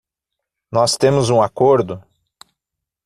Nós temos um acordo?